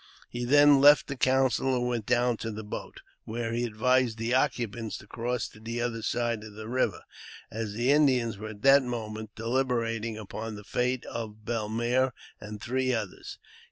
He then left the council and went down to the boat, where he advised the occupants to cross to the other side of the river, as the Indians were at that moment deliberating upon the fate of Bellemaire and three others.